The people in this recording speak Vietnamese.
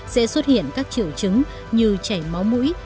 sẽ xuất hiện các triệu chứng như chảy máu mũi